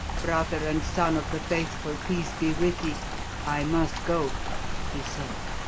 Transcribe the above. "Brother and son of the faithful, peace be with thee I must go," he said.